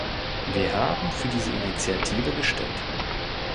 Wir haben für diese Initiative gestimmt.